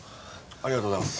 ありがとうございます。